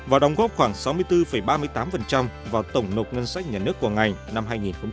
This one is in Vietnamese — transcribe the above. và đóng góp khoảng sáu mươi bốn ba mươi tám vào tổng nộp ngân sách nhà nước của ngày năm hai nghìn một mươi sáu